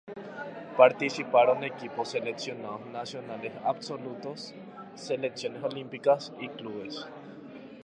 Participaron equipos seleccionados nacionales absolutos, selecciones olímpicas y clubes.